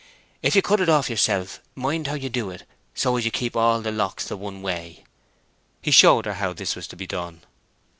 If you cut it off yourself, mind how you do it so as to keep all the locks one way." He showed her how this was to be done.